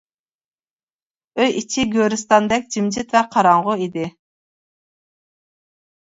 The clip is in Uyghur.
ئۆي ئىچى گۆرىستاندەك جىمجىت ۋە قاراڭغۇ ئىدى.